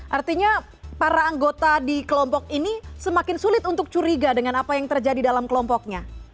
artinya para anggota di kelompok ini semakin sulit untuk curiga dengan apa yang terjadi dalam kelompoknya